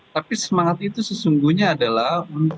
tapi semangat itu sesungguhnya adalah